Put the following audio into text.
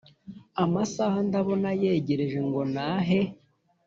amasaha ndabona yegereje ngo nahe